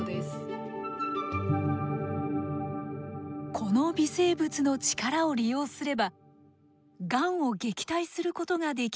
この微生物の力を利用すればがんを撃退することができるのではないか。